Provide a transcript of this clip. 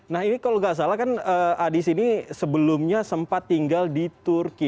nah ini kalau nggak salah kan adis ini sebelumnya sempat tinggal di turki